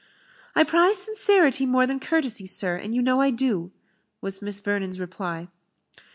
"I prize sincerity more than courtesy, sir, and you know I do," was Miss Vernon's reply.